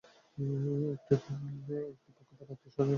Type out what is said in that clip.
একটি পক্ষ তাঁর আত্মীয় হওয়ার কারণে তাঁকে মামলায় আসামি করা হয়েছে।